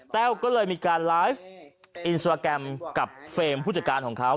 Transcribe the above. แววก็เลยมีการไลฟ์อินสตราแกรมกับเฟรมผู้จัดการของเขา